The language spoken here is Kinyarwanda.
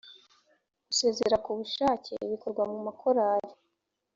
gusezera ku bushake bikorwa mumakorali